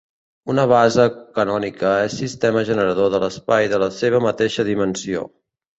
Una base canònica és sistema generador de l'espai de la seva mateixa dimensió.